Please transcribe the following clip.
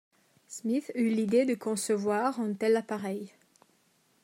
Smith eut l'idée de concevoir un tel appareil.